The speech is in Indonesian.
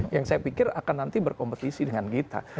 yang saya pikir akan nanti berkompetisi dengan kita